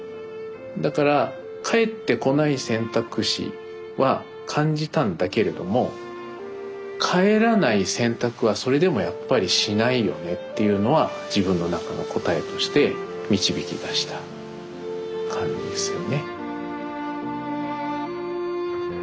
だから帰ってこない選択肢は感じたんだけれども帰らない選択はそれでもやっぱりしないよねっていうのは自分の中の答えとして導き出した感じですよね。